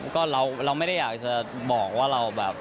ก็เราไม่ได้อยากจะบอกว่าเราแบบ